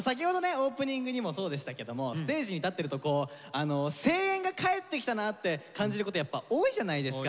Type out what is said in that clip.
オープニングにもそうでしたけどもステージに立ってるとこう声援が帰ってきたなって感じることやっぱ多いじゃないですか。